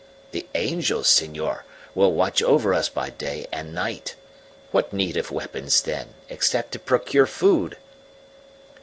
The angels, senor, will watch over us by day and night. What need of weapons, then, except to procure food?"